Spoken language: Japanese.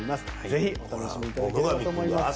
ぜひお楽しみいただければと思います。